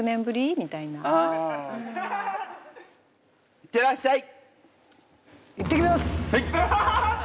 いってらっしゃい！